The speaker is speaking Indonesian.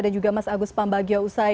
dan juga mas agus pambagio usai